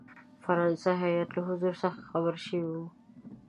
فرانسه هیات له حضور څخه خبر شوی وو.